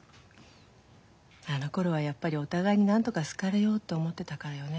あのころはやっぱりお互いに何とか好かれようって思ってたからよね。